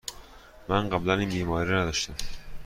من قبلاً این بیماری را نداشتم.